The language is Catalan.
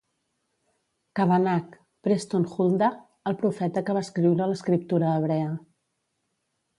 Kavanagh, Preston Huldah: el profeta que va escriure l'escriptura hebrea.